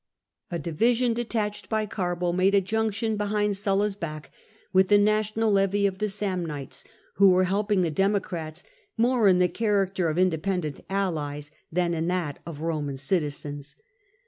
A division detached by Garbo made a junction, behind Sulla's back, with the national levy of the Samnites, who were helping the Democrats more in the character of independent allies than in that of Roman citizens.